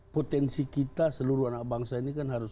potensi kita seluruh anak bangsa ini